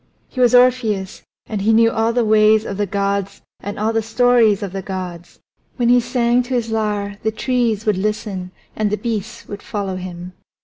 He was Orpheus, and he knew all the ways of the gods and all the stories of the gods; when he sang to his lyre the trees would listen and the beasts would follow him.